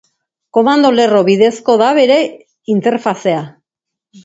Komando-lerro bidezkoa da bere interfazea.